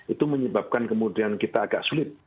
itu menyebabkan kemudian kita agak sulit